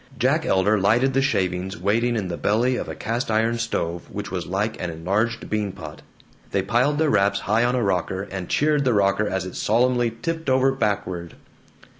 Jack Elder lighted the shavings waiting in the belly of a cast iron stove which was like an enlarged bean pot. They piled their wraps high on a rocker, and cheered the rocker as it solemnly tipped over backward.